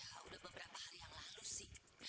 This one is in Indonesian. ya udah beberapa hari yang lalu sih